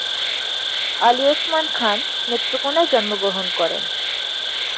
আলী ওসমান খান নেত্রকোণায় জন্মগ্রহণ করেন।